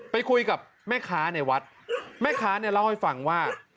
ไปคุยกับแม่ค้าในวัดแม่ค้าเนี่ยเล่าให้ฟังว่า